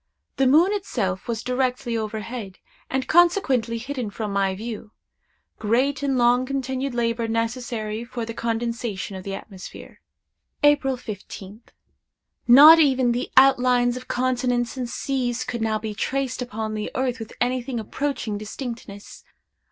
The moon itself was directly overhead, and consequently hidden from my view. Great and long continued labor necessary for the condensation of the atmosphere. "April 15th. Not even the outlines of continents and seas could now be traced upon the earth with anything approaching distinctness.